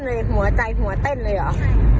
หัวเต้นเลยหัวใจหัวเต้นเลยหรอ